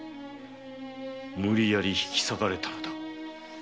無理やり引き裂かれたのだ。